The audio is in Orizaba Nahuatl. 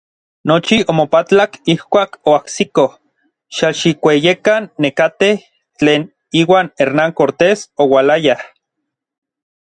Nochi omopatlak ijkuak oajsikoj Xalxikueyekan nekatej tlen iuan Hernán Cortés oualayaj.